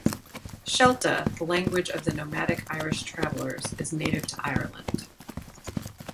Shelta, the language of the nomadic Irish Travellers is native to Ireland.